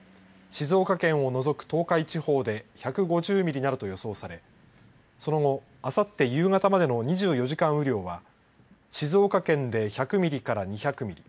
静岡県を除く東海地方で１５０ミリなどと予想されその後、あさって夕方までの２４時間雨量は静岡県で１００ミリから２００ミリ。